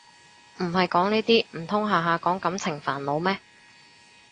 唔係講呢啲唔通下下講感情煩惱咩